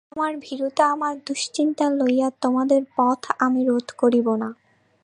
অতএব আমার ভীরুতা আমার দুশ্চিন্তা লইয়া তোমাদের পথ আমি রোধ করিব না।